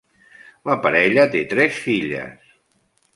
La parella té tres filles.